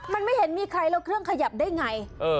มันไม่เห็นมีใครแล้วเครื่องขยับได้ไง